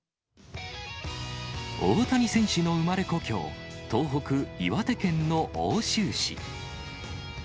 大谷選手の生まれ故郷、東北、岩手県の奥州市。